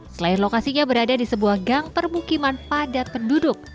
selain lokasinya berada di sebuah gang permukiman padat penduduk